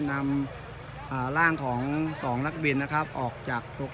นำอ่าร่างของสองลักบินนะครับออกจากโตคลื่อง